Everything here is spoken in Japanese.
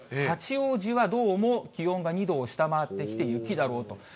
八王子はどうも気温が２度を下回ってきて、雪だろうと。